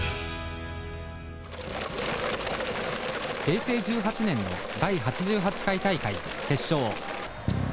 平成１８年の第８８回大会決勝。